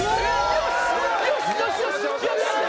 よし！